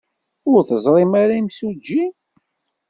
Ur teẓrim ara imsujji?